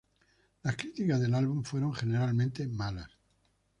Las críticas del álbum fueron generalmente malas.